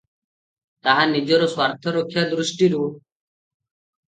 ତାହା ନିଜର ସ୍ୱାର୍ଥ ରକ୍ଷା ଦୃଷ୍ଟିରୁ ।